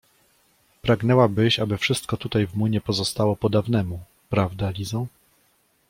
— Pragnęłabyś, aby wszystko tutaj w młynie pozostało po dawnemu, prawda, Lizo?